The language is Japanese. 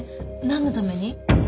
なんのために？